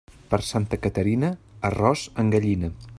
Per Santa Caterina, arròs en gallina.